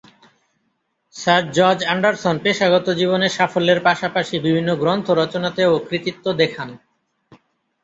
Sir George Anderson পেশাগত জীবনে সাফল্যের পাশাপাশি বিভিন্ন গ্রন্থ রচনাতেও কৃতিত্ব দেখান।